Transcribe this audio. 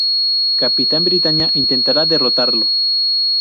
Capitán Britania intentará derrotarlo.